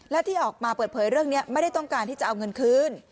และที่ออกมาเปิดเผยเรื่องนี้ไม่ได้ต้องการที่จะเอาเงินคืน